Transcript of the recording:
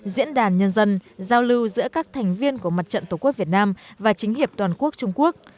diễn đàn nhân dân giao lưu giữa các thành viên của mặt trận tổ quốc việt nam và chính hiệp toàn quốc trung quốc